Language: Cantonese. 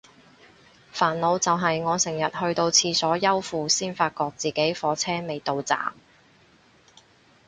煩惱就係我成日去到廁所摳褲先發覺自己火車未到站